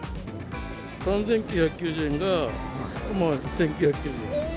３９９０円が１９９０円。